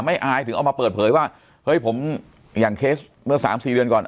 อายถึงเอามาเปิดเผยว่าเฮ้ยผมอย่างเคสเมื่อสามสี่เดือนก่อน